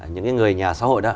những người nhà xã hội đó